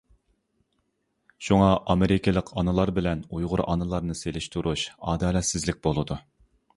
شۇڭا ئامېرىكىلىق ئانىلار بىلەن ئۇيغۇر ئانىلارنى سېلىشتۇرۇش ئادالەتسىزلىك بولىدۇ.